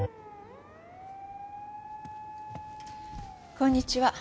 こんにちは。